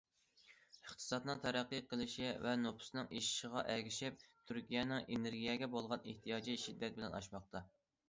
ئىقتىسادنىڭ تەرەققىي قىلىشى ۋە نوپۇسنىڭ ئېشىشىغا ئەگىشىپ، تۈركىيەنىڭ ئېنېرگىيەگە بولغان ئېھتىياجى شىددەت بىلەن ئاشماقتا.